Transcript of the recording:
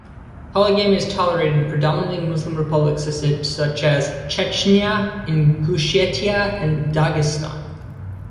Polygamy is tolerated in predominantly Muslim republics such as Chechnya, Ingushetia, and Dagestan.